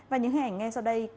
và những hình ảnh nghe sau đây